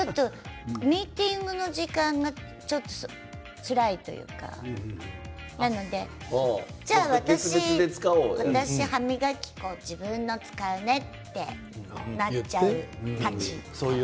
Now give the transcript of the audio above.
ミーティングの時間がちょっとつらいというかなので、私、歯磨き粉自分の使うねってそういうたち。